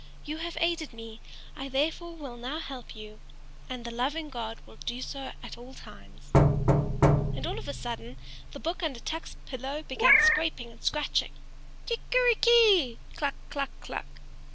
You have aided me, I therefore will now help you; and the loving God will do so at all times." And all of a sudden the book under Tuk's pillow began scraping and scratching. "Kickery ki! kluk! kluk! kluk!"